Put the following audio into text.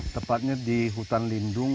tepatnya di hutan lindung